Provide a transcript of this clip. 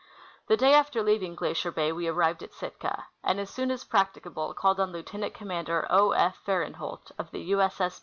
The day after leaving Glacier bay we arrived at Sitka, and as soon as practicable called on Lieutenant Commander 0. F. Farenholt, of the U. S. S.